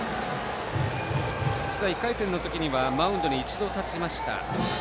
実は１回戦の時にはマウンドに一度、立ちました。